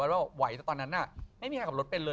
แล้วไหวแต่ตอนนั้นไม่มีใครขับรถเป็นเลย